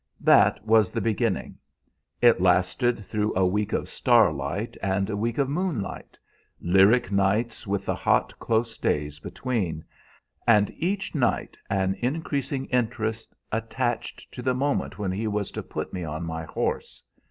That was the beginning. It lasted through a week of starlight and a week of moonlight lyric nights with the hot, close days between; and each night an increasing interest attached to the moment when he was to put me on my horse.